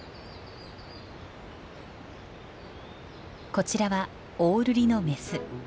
こちらはオオルリのメス。